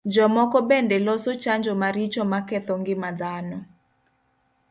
Jomoko bende loso chanjo maricho maketho ngima dhano.